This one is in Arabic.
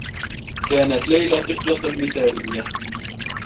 كانت ليلى طفلة مثاليّة.